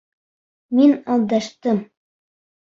Мин алдаштым.